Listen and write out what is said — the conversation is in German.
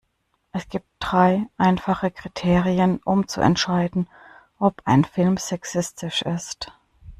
Es gibt drei einfache Kriterien, um zu entscheiden, ob ein Film sexistisch ist.